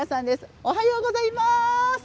おはようございます！